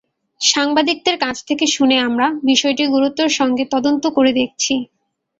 সাংবাদিকদের কাছ থেকে শুনে আমরা বিষয়টি গুরুত্বের সঙ্গে তদন্ত করে দেখছি।